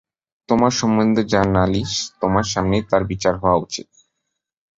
তোমার সম্বন্ধে যা নালিশ তোমার সামনেই তার বিচার হওয়া উচিত।